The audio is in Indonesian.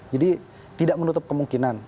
jadi tidak menutup kemungkinan